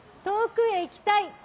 遠くへ行きたい。